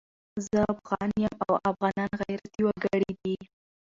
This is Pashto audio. زه افغان یم او افغانان غيرتي وګړي دي